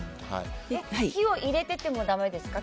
火を入れててもだめですか？